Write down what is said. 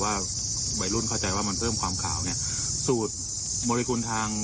ว่าวัยรุ่นเข้าใจว่ามันเพิ่มความขาวเนี่ยสูตรมริกุลทาง